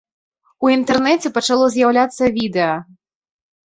У інтэрнэце пачало з'яўляцца відэа.